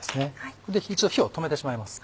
これで火を止めてしまいます。